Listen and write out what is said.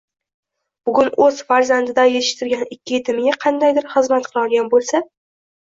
Bugun o'z farzandiday yetishtirgan ikki yetimiga qandaydir xizmat qilolgan bo'lsa